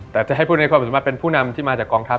แต่จะให้ผู้ในความสามารถเป็นผู้นำที่มาจากกองทัพ